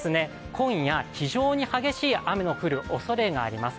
今夜非常に激しい雨の降るおそれがあります。